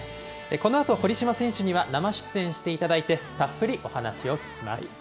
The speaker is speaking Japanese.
このあと、堀島選手には生出演していただいて、たっぷりお話を聞きます。